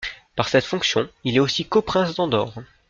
Par cette fonction, il est aussi coprince d'Andorre.